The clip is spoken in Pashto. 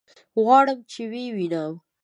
غواړم چې ويې وينم.